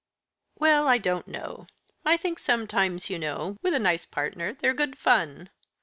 "Well, I don't know. I think, sometimes, you know, with a nice partner, they're good fun.